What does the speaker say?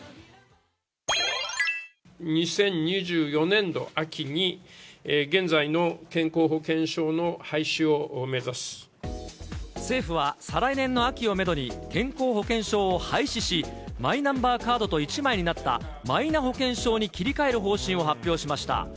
２０２４年度秋に、政府は、再来年の秋をメドに、健康保険証を廃止し、マイナンバーカードと一枚になったマイナ保険証に切り替える方針を発表しました。